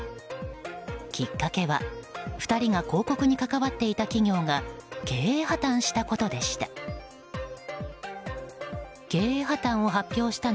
きっかけは、２人が広告に関わっていた企業が経営破綻したことでした。